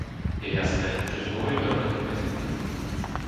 Je jasné, že tu hovoríme rovnakým jazykom.